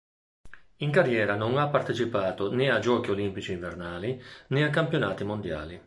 In carriera non ha partecipato né a Giochi olimpici invernali né a Campionati mondiali.